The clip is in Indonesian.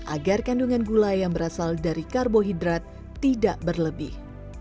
agar kandungan gula yang berasal dari karbohidrat tidak berlebih